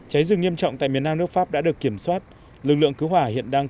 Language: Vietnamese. cháy rừng nghiêm trọng tại miền nam nước pháp đã được kiểm soát lực lượng cứu hỏa hiện đang